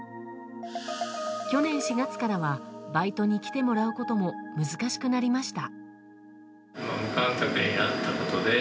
去年４月からはバイトに来てもらうことも難しくなりました。